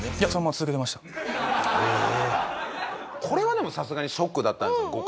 これはでもさすがにショックだったんじゃ？